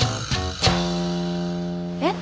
えっ？